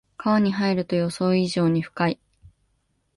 川に入ると予想以上に深い